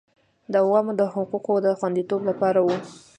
د عوامو د حقوقو د خوندیتوب لپاره وه